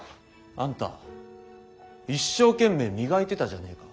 あんた一生懸命磨いてたじゃねえか。